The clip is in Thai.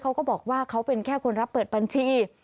เขาก็บอกว่าเขาเป็นแค่คนรับเปิดบัญชี